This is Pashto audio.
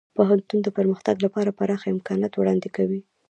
پوهنتون د پرمختګ لپاره پراخه امکانات وړاندې کوي.